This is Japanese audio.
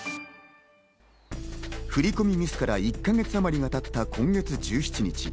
振り込みミスから１か月あまりがたった今月１７日。